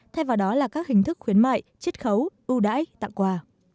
thay vào đó là các hình thức khuyến mại chích khấu ưu đãi tặng quà